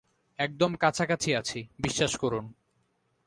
একদম কাছাকাছি আছি, বিশ্বাস করুন।